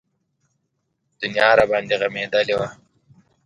دنيا راباندې غمېدلې وه.